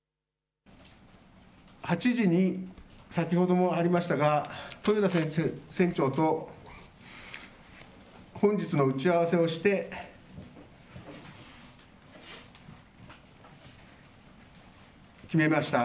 ８時に先ほどもありましたが、豊田船長と本日の打ち合わせをして決めました。